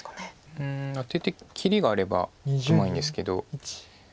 うんアテて切りがあればうまいんですけど。